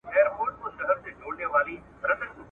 چي ککړي به یې سر کړلې په غرو کي !.